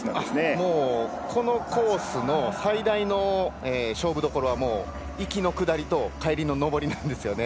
もうこのコースの最大の勝負どころはもう行きの下りと帰りの上りなんですよね。